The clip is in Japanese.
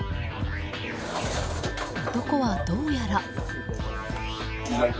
男はどうやら。